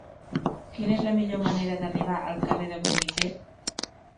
Quina és la millor manera d'arribar al carrer de Bruniquer?